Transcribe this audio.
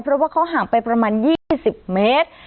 เพราะว่าเขาห่างไปประมาณ๒๐เมตร